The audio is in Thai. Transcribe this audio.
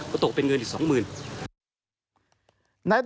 ก็ตกเป็นเงินอีก๒๐๐๐๐บาท